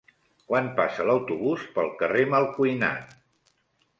Quan passa l'autobús pel carrer Malcuinat?